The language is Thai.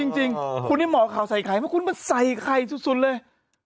จริงคุณนี่เหมาะข่าวใส่ไข่ไหมคุณมันใส่ไข่สุดเลย